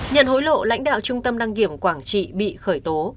nhận hối lộ lãnh đạo trung tâm đăng kiểm quảng trị bị khởi tố